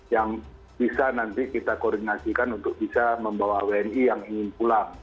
yang bisa nanti kita koordinasikan untuk bisa membawa wni yang ingin pulang